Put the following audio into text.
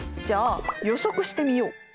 じゃあ予測してみよう！